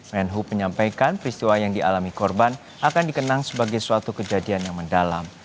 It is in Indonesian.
menhub menyampaikan peristiwa yang dialami korban akan dikenang sebagai suatu kejadian yang mendalam